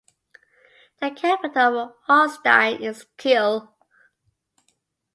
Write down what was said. The capital of Holstein is Kiel.